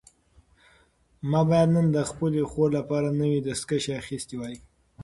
ما باید نن د خپلې خور لپاره نوي دستکشې اخیستې وای.